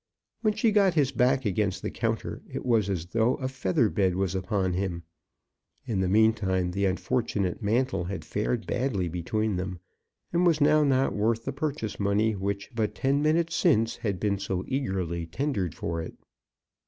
When she got his back against the counter, it was as though a feather bed was upon him. In the meantime the unfortunate mantle had fared badly between them, and was now not worth the purchase money which, but ten minutes since, had been so eagerly tendered for it.